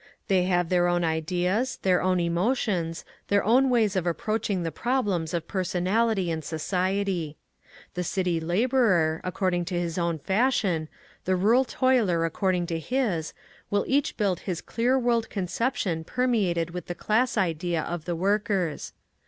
They have their own ideas, their own emotions, their own ways of approaching the problems of personality and society. The city labourer, according to his own fashion, the rural toiler according to his, will each build his clear world conception permeated with the class idea of the workers.